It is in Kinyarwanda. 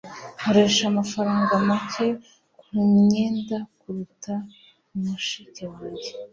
nkoresha amafaranga make kumyenda kuruta mushiki wanjye